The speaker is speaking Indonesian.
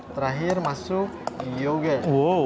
terakhir masuk yogurt